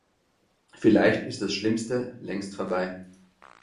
Vielleicht ist das Schlimmste längst vorbei.